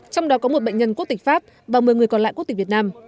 trong đó có một bệnh nhân quốc tịch pháp và một mươi người còn lại quốc tịch việt nam